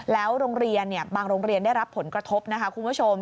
แล้วโรงเรียนบางโรงเรียนได้รับผลกระทบนะคะคุณผู้ชม